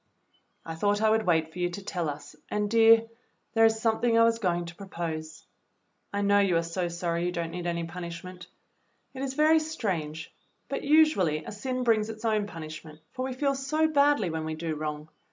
"I thought I would wait for you to tell us, and, dear, there is something I was going to propose. I know you are so sorry you don't need any punish ment. It is very strange, but usually a sin brings its own punishment, for we feel so badly when we do wrong.